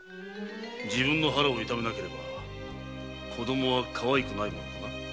自分の腹を痛めなければ子供はかわいくないものかな？